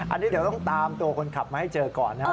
อันนี้เดี๋ยวต้องตามตัวคนขับมาให้เจอก่อนนะครับ